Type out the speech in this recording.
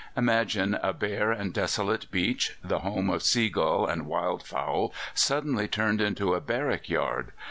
Imagine a bare and desolate beach, the home of seagull and wild fowl, suddenly turned into a barrack yard.